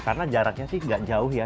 karena jaraknya sih enggak jauh ya